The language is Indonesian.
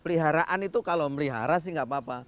peliharaan itu kalau melihara sih nggak apa apa